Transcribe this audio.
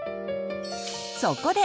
そこで！